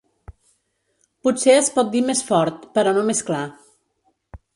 Potser es pot dir més fort, però no més clar.